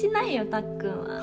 たっくんは。